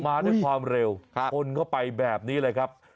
มาด้วยความเร็วชนเข้าไปแบบนี้เลยครับ